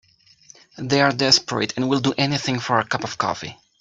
They're desperate and will do anything for a cup of coffee.